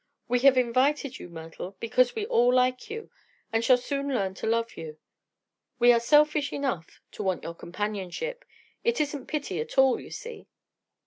We have invited you, Myrtle, because we all like you, and shall soon learn to love you. We are selfish enough to want your companionship. It isn't pity, at all, you see."